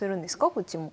こっちも。